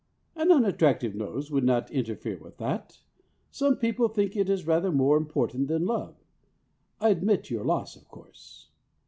An unattractive nose would not interfere with that. Some people think it is rather more important than love. I admit your loss, of course."